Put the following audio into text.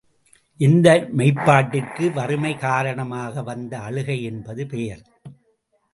இந்த மெய்ப்பாட்டிற்கு, வறுமை காரணமாக வந்த அழுகை என்பது பெயர்.